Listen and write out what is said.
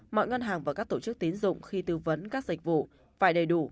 mọi ngân hàng và các tổ chức tín dụng khi tư vấn các dịch vụ phải đầy đủ